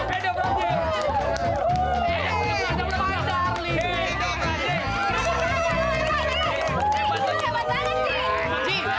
ini nggak ada di sini